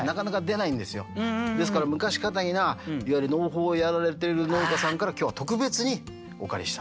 ですから昔かたぎないわゆる農法をやられてる農家さんから今日は特別にお借りした。